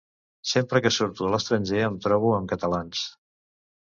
Sempre que surto a l'estranger em trobo amb catalans.